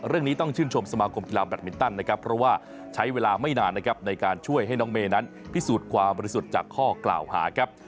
เรื่องนี้ต้องชื่นชมสมาคมกีฬาแบตมินตันนะครับเพราะว่าใช้เวลาไม่นานนะครับในการช่วยให้น้องเมย์นั้นพิสูจน์ความบริสุทธิ์จากข้อกล่าวหาครับ